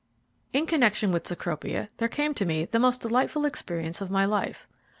In connexion with Cecropia there came to me the most delightful experience of my life.